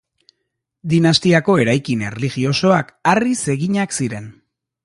Dinastiako eraikin erlijiosoak harriz eginak ziren.